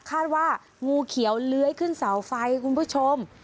งูเขียวเลื้อยขึ้นเสาไฟคุณผู้ชม